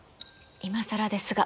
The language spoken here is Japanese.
いまさらですが。